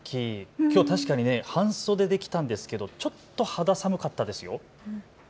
きょう確かに半袖で来たんですがちょっと肌寒かったですよ。